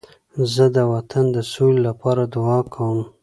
زه د وطن د سولې لپاره دعا کوم.